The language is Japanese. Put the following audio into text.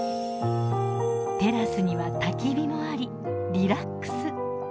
テラスにはたき火もありリラックス。